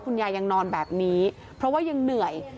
ยายยังนอนแบบนี้เพราะว่ายังเหนื่อย